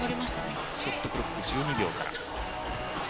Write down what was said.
ショットクロック１２秒から。